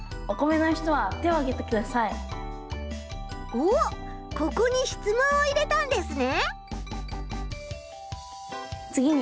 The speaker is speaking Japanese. おっここにしつもんを入れたんですね。